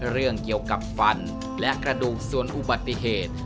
เรื่องเกี่ยวกับฟันและกระดูกส่วนอุบัติเหตุ